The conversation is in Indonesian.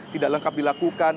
tidak lengkap dilakukan